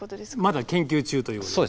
まだ研究中ということですね。